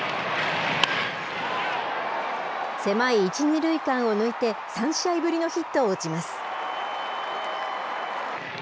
狭い１、２塁間を抜いて、３試合ぶりのヒットを打ちます。